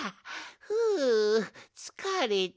ふうつかれた。